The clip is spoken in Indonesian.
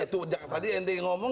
itu tadi yang tadi ngomong